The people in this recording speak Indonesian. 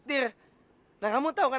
ipa gua ke tiga lima